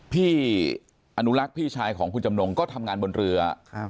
พี่อนุรักษ์พี่ชายของคุณจำนงก็ทำงานบนเรือครับ